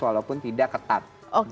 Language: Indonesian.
walaupun tidak ketat